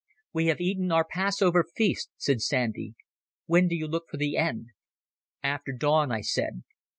"We have eaten our Passover Feast," said Sandy. "When do you look for the end?" "After dawn," I said.